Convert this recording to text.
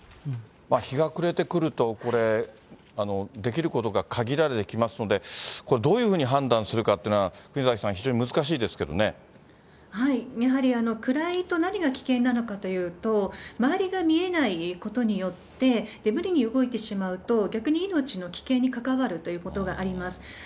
日が暮れてくると、これ、できることが限られてきますので、これ、どういうふうに判断するかっていうのは、国崎さん、やはり暗いと何が危険なのかというと、周りが見えないことによって、無理に動いてしまうと、逆に命の危険に関わるということがあります。